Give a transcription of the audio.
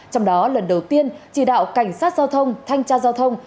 trong đó lần đầu tiên chỉ đạo cảnh sát giao thông thanh tra giao thông